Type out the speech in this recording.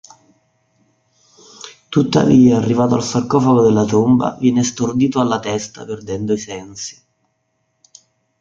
Tuttavia, arrivato al sarcofago della tomba, viene stordito alla testa, perdendo i sensi.